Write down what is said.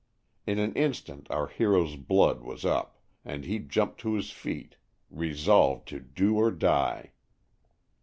In an instant our hero's blood was up and he jumped to his feet resolved to "do or die."